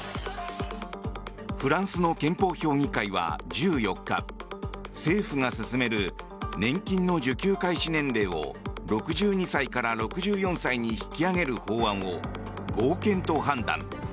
フランスの憲法評議会は１４日政府が進める年金の受給開始年齢を６２歳から６４歳に引き上げる法案を合憲と判断。